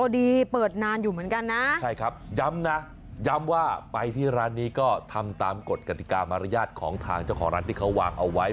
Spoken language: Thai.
ดีเปิดนานอยู่เหมือนกันนะใช่ครับย้ำนะย้ำว่าไปที่ร้านนี้ก็ทำตามกฎกติกามารยาทของทางเจ้าของร้านที่เขาวางเอาไว้